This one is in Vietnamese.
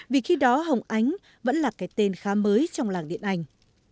vì khi đó hồng ánh vẫn là cái tên khá mới trong làng điện ảnh